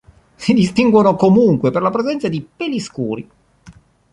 Si distinguono comunque per la presenza di peli scuri.